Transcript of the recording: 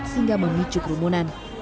sehingga memicu krumunan